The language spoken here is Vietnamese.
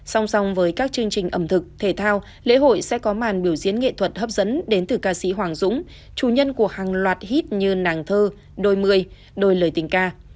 song song với các chương trình ẩm thực thể thao lễ hội sẽ có màn biểu diễn nghệ thuật hấp dẫn đến từ ca sĩ hoàng dũng chủ nhân của hàng loạt hít như nàng thơ đôi mươi đôi lời tình ca